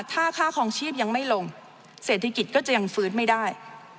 ถ้าค่าคลองชีพยังไม่ลงเศรษฐกิจก็จะยังฟื้นไม่ได้